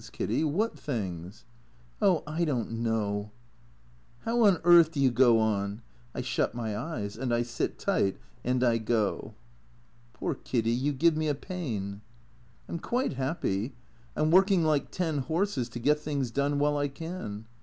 Kiddy, what things ?"" Oh ! I don't know "" How on earth do you go on ?"" I shut my eyes. And I sit tight. And I go." " Poor Kiddy. You give me a pain." " I 'm quite happy. I 'm working like ten horses to get things done while I can."